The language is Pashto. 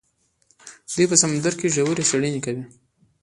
دوی په سمندر کې ژورې څیړنې کوي.